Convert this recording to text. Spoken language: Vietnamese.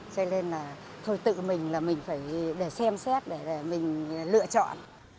cho nên là thôi tự mình là mình phải để xem xét để mình lựa chọn